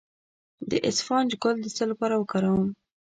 د اسفناج ګل د څه لپاره وکاروم؟